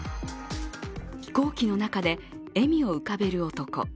飛行機の中で笑みを浮かべる男。